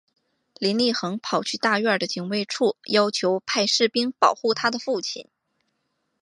林立衡跑去大院的警卫处要求派士兵保护她的父亲。